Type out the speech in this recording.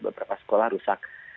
beberapa sekolah rusak